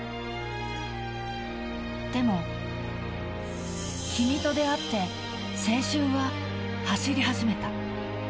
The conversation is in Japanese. でも、君と出会って青春は走り始めた。